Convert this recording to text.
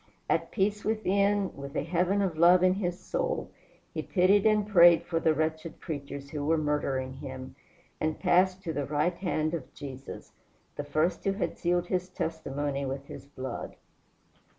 At peace within, with a heaven of love in his soul, he pitied and prayed for the wretched creatures who were murdering him, and passed to the right hand of Jesus the first who had sealed his testimony with his blood.